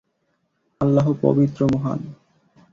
আল্লাহ পবিত্র মহান।